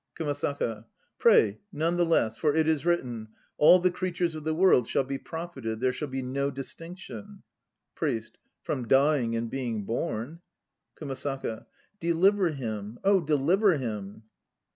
KUMASAKA. Pray, none the less. For it is written, "All the creatures of the world shall be profited. There shall be no distinction." PRIEST. From dying and being born. KUMASAKA. Deliver him, oh deliver him!